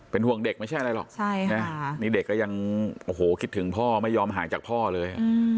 ห่วงเด็กไม่ใช่อะไรหรอกนี่เด็กก็ยังโอ้โหคิดถึงพ่อไม่ยอมห่างจากพ่อเลย